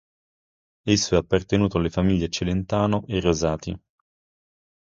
Esso è appartenuto alle famiglie Celentano e Rosati.